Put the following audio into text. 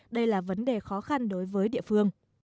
đây là vấn đề khó khăn đối với địa phương